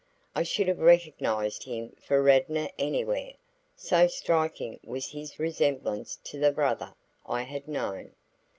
I should have recognized him for Radnor anywhere, so striking was his resemblance to the brother I had known.